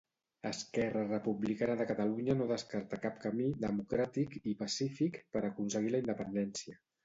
Esquerra Republicana de Catalunya no descarta cap camí "democràtic" i "pacífic" per a aconseguir la independència.